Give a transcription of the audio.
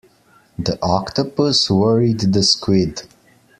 The octopus worried the squid.